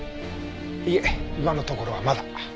いえ今のところはまだ。